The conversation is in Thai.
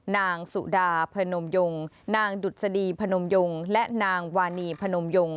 นางสุดาพนมยงนางดุษฎีพนมยงและนางวานีพนมยง